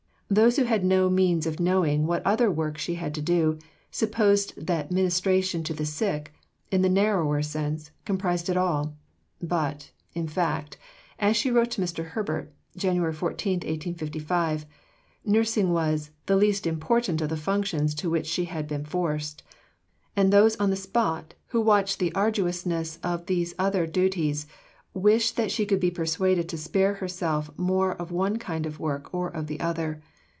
Those who had no means of knowing what other work she had to do supposed that ministration to the sick, in the narrower sense, comprised it all. But, in fact, as she wrote to Mr. Herbert (Jan. 14, 1855), nursing was "the least important of the functions into which she had been forced"; and those on the spot, who watched the arduousness of these other duties, wished that she could be persuaded to spare herself more of one kind of work or of the other.